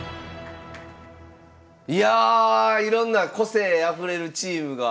いやあいろんな個性あふれるチームが。